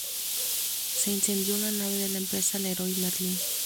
Se incendió una nave de la empresa Leroy Merlin.